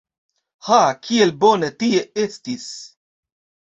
Ha, kiel bone tie estis!